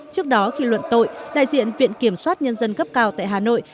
trước đó khi luận tội đại diện viện kiểm sát nhân dân cấp cao tại hà nội